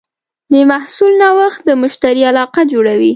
د محصول نوښت د مشتری علاقه لوړوي.